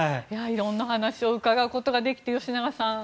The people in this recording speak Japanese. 色んな話を伺うことができて吉永さん。